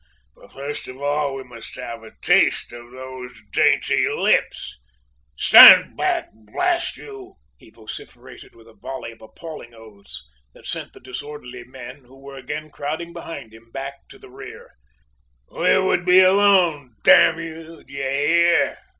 for first of all we must have a taste of those dainty lips; stand back, bl t you," he vociferated with a volley of appalling oaths, that sent the disorderly men, who were again crowding behind him, back into the rear; "we would be alone, d you; do you hear?"